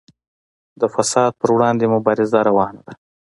د فساد پر وړاندې مبارزه روانه ده